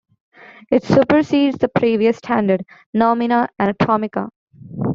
It supersedes the previous standard, "Nomina Anatomica".